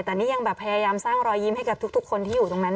แต่นี่ยังแบบพยายามสร้างรอยยิ้มให้กับทุกคนที่อยู่ตรงนั้น